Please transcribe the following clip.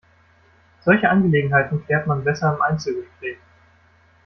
Solche Angelegenheiten klärt man besser im Einzelgespräch.